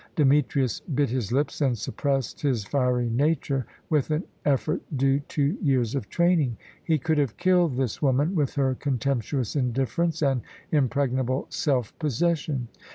Demetrius bit his lips, and suppressed his fiery nature with an effort due to years of training. He could have killed this woman with her contemptuous indifference and impregnable self possession.